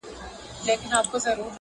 ستا هم د پزي په افسر كي جـادو.